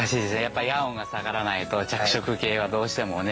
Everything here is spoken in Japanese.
夜温が下がらないと着色系はどうしてもね。